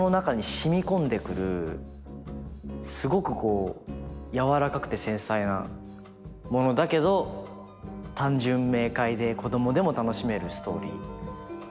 すごくこうやわらかくて繊細なものだけど単純明快で子どもでも楽しめるストーリー。